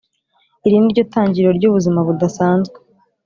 iri niryo tangiriro ry’ubuzima budasanzwe